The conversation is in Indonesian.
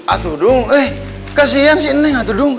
atuh dung eh kasian si neng atuh dung